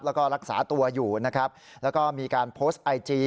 แล้วก็รักษาตัวอยู่นะครับแล้วก็มีการโพสต์ไอจี